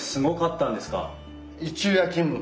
一昼夜勤務。